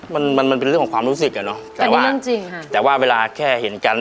มันมันมันเป็นเรื่องของความรู้สึกอ่ะเนอะแต่ว่าเรื่องจริงค่ะแต่ว่าเวลาแค่เห็นกัน